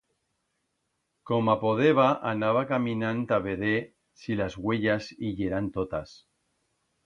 Coma podeba, anaba caminand ta veder si las uellas i yeran totas.